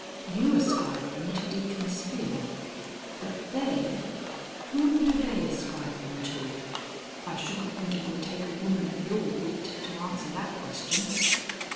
You ascribe them to Deacon Spear, but they whom do they ascribe them to?" "I shouldn't think it would take a woman of your wit to answer that question."